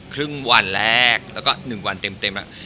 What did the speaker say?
ครึ่งวันแรกแล้วก็๑วันเต็มแล้ว